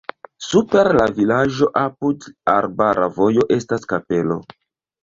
Super la vilaĝo apud arbara vojo estas kapelo.